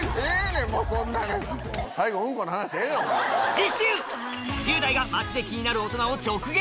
次週１０代が街で気になる大人を直撃！